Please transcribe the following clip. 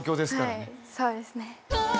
はいそうですね。